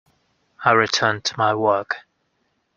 I returned to my work.